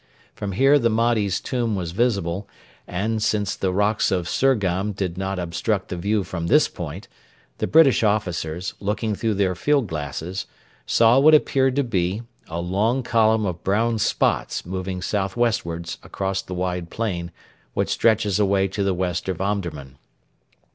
From here the Mahdi's Tomb was visible, and, since the rocks of Surgham did not obstruct the view from this point, the British officers, looking through their field glasses, saw what appeared to be a long column of brown spots moving south westwards across the wide plain which stretches away to the west of Omdurman.